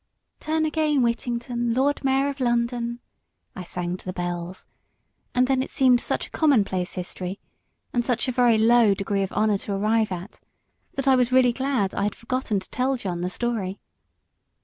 "Turn again, Whittington, Lord Mayor of London," I sang to the bells; and then it seemed such a commonplace history, and such a very low degree of honour to arrive at, that I was really glad I had forgotten to tell John the story.